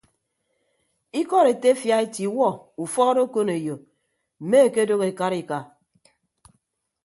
Ikọd etefia ete iwuọ ufuọd okoneyo mme ekedooho ekarika.